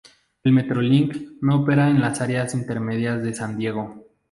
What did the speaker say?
El Metrolink no opera en las áreas intermedias de San Diego.